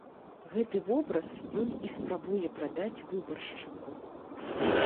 Гэты вобраз ён і спрабуе прадаць выбаршчыку.